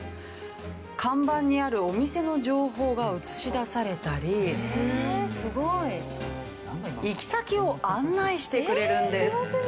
看板にあるお店の情報が映し出されたり行き先を案内してくれるんです。